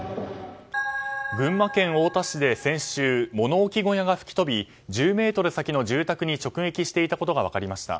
群馬県太田市で先週物置小屋が吹き飛び１０ｍ先の住宅に直撃していたことが分かりました。